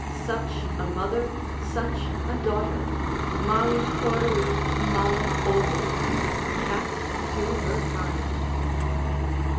Such a mother, such a daughter; mali corvi malum ovum., cat to her kind.